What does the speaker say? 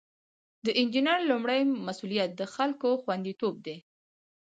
د انجینر لومړی مسؤلیت د خلکو خوندیتوب دی.